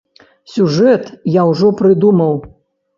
Сюжэт я ўжо прыдумаў.